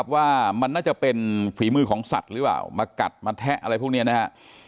ว่ามันน่าจะเป็นฝีมือของสัตว์หรือเปล่ามากัดมาแทะอะไรพวกนี้นะฮะ